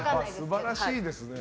素晴らしいですね。